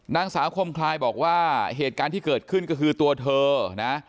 นางสาวคมคลายบอกว่าเหตุการณ์ที่เกิดขึ้นก็คือตัวเธอนะ